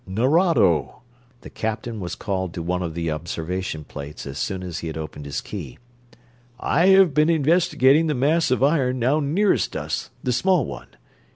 "Nerado!" The captain was called to one of the observation plates as soon as he had opened his key. "I have been investigating the mass of iron now nearest us, the small one.